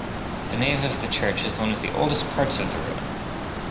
The nave of the church is one of the oldest parts of the ruin.